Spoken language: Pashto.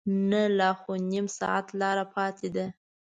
نه لا خو نیم ساعت لاره پاتې ده.